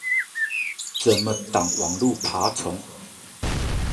怎麼擋網路爬蟲？